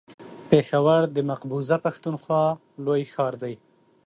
پېښور د مقبوضه پښتونخوا لوی ښار دی.